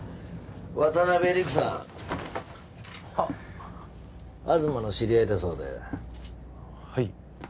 渡辺陸さんあっ東の知り合いだそうではい